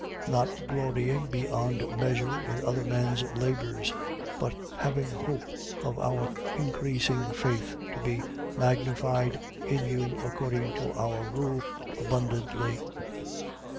10:15. Not glorying beyond measure in other men's labours: but having hope of your increasing faith, to be magnified in you according to our rule abundantly.